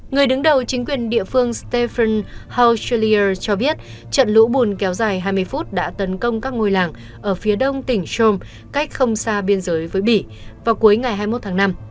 người đứng đầu chính quyền địa phương stephen houselier cho biết trận lũ bùn kéo dài hai mươi phút đã tấn công các ngôi làng ở phía đông tỉnh shom cách không xa biên giới với bỉ vào cuối ngày hai mươi một tháng năm